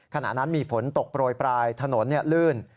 ขณะนั้นมีฝนตกโปรยปลายถนนลื่น